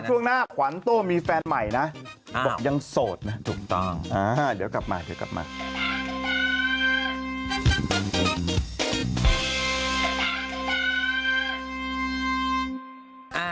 ช่วงหน้าขวัญโต้มีแฟนใหม่นะบอกยังโสดนะถูกต้องเดี๋ยวกลับมาเดี๋ยวกลับมา